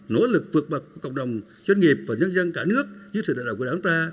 nỗ lực vượt bậc của cộng đồng doanh nghiệp và nhân dân cả nước dưới sự đại đạo của đảng ta